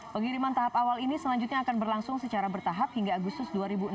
pengiriman tahap awal ini selanjutnya akan berlangsung secara bertahap hingga agustus dua ribu enam belas